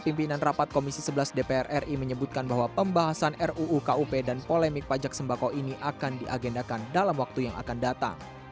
pimpinan rapat komisi sebelas dpr ri menyebutkan bahwa pembahasan ruu kup dan polemik pajak sembako ini akan diagendakan dalam waktu yang akan datang